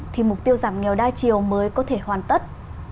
thì mục tiêu giảm nghèo đa chiều mới có thể hoàn tất